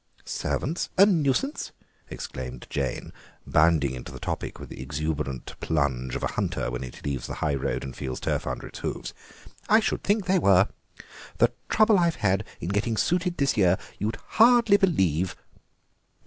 "Servants a nuisance!" exclaimed Jane, bounding into the topic with the exuberant plunge of a hunter when it leaves the high road and feels turf under its hoofs; "I should think they were! The trouble I've had in getting suited this year you would hardly believe.